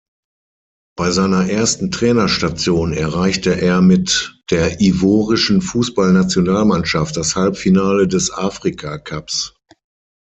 Bei seiner ersten Trainerstation erreichte er mit der ivorischen Fußballnationalmannschaft das Halbfinale des Afrika-Cups.